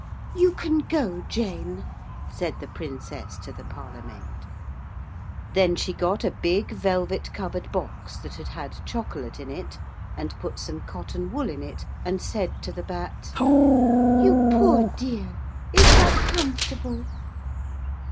'You can go, Jane,' said the Princess to the parlourmaid. Then she got a big velvet covered box that had had chocolate in it, and put some cotton wool in it and said to the Bat 'You poor dear, is that comfortable?'